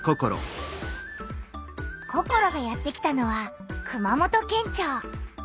ココロがやって来たのは熊本県庁。